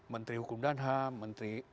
menteri hukum dan ham menteri